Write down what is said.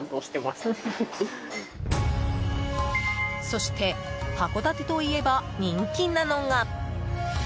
そして函館といえば人気なのが。